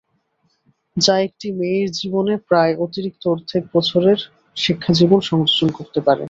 যা একটি মেয়ের জীবনে প্রায় অতিরিক্ত অর্ধেক বছরের শিক্ষাজীবন সংযোজন করতে পারে।